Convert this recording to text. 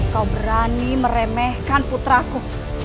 kau berani meremehkan putraku